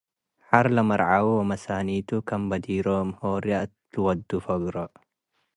ሐር ለመርዓዊ ወመሳኒቱ ክም በዲሮም ሆርያ እት ልወዱ ፈግሮ ።